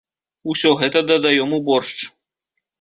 Усё гэта дадаём у боршч.